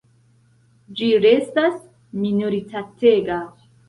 Ĝi restas minoritatega?